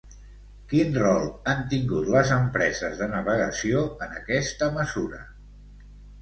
Quin rol han tingut les empreses de navegació en aquesta mesura?